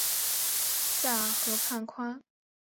塞尔河畔宽。